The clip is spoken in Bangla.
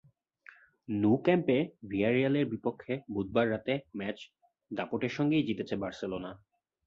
ন্যু ক্যাম্পে ভিয়ারিয়ালের বিপক্ষে বুধবার রাতের ম্যাচ দাপটের সঙ্গেই জিতেছে বার্সেলোনা।